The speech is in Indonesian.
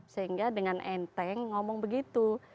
sehingga dengan enteng ngomong begitu